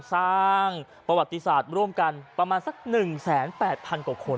สร้างประวัติศาสตร์ร่วมกันประมาณสัก๑๘๐๐๐กว่าคน